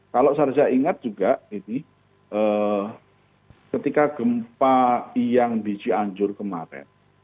kalau sarja ingat juga ketika gempa yang di cianjur kemarin